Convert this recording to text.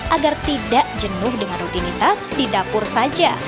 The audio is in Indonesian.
agar tidak jenuh dengan rutinitas di dapur saja